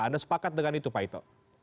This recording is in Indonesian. anda sepakat dengan itu pak ito